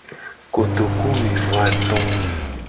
Kotoku wi vo ato.